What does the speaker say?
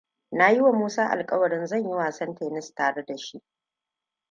Na yi wa Musa alkawarin zan yi wasan Tennis tare da shi.